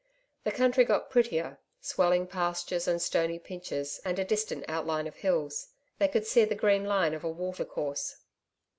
The country got prettier swelling pastures and stony pinches and a distant outline of hills. They could see the green line of a water course.